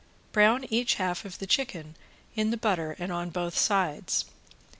Brown each half of the chicken in the butter and on both sides.